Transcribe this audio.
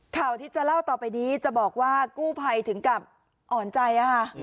ข่าวที่จะเล่าต่อไปนี้จะบอกว่ากู้ภัยถึงกับอ่อนใจค่ะ